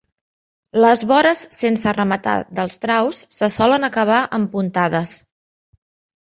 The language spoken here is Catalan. Les bores sense rematar dels traus se solen acabar amb puntades.